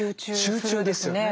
集中ですよね。